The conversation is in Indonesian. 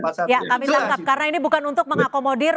karena ini bukan untuk mengakomodir